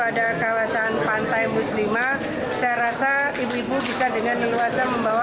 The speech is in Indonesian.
selain itu kofifah juga memperkenalkan salah satu programnya jika terpilih sebagai gubernur